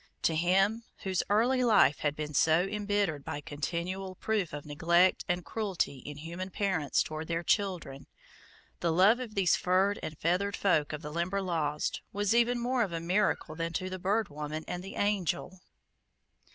To him, whose early life had been so embittered by continual proof of neglect and cruelty in human parents toward their children, the love of these furred and feathered folk of the Limberlost was even more of a miracle than to the Bird Woman and the Angel.